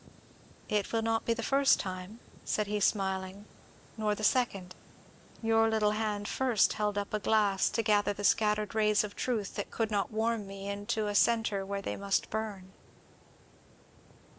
"It will not be the first time," said he smiling, "nor the second. Your little hand first held up a glass to gather the scattered rays of truth that could not warm me into a centre where they must burn."